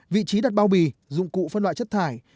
vị trí đặt bao bì dụng cụ phân loại chất thải